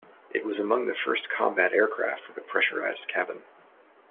It was among the first combat aircraft with a pressurized cabin.